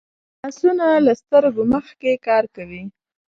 لاسونه له سترګو مخکې کار کوي